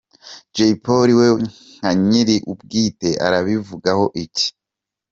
Jay Polly we nka nyiri ubwite arabivugaho iki?.